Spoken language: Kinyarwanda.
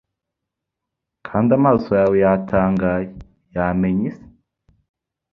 kandi amaso yawe yatangaye yamenya isi